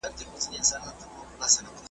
هلته بل ميوند جوړيږي ,